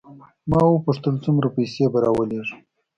ما وپوښتل څومره پیسې به راولېږم.